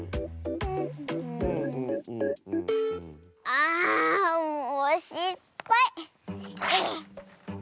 あもうしっぱい！